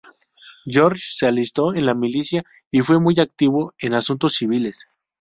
George se alistó en la milicia y fue muy activo en asuntos civiles.